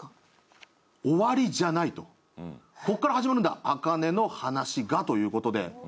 終わりじゃない、ここから始まるんだ、朱音の話がということで。